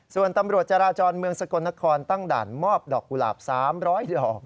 ส่วนตำรวจจราจรเมืองสกลนครตั้งด่านมอบดอกกุหลาบ๓๐๐ดอก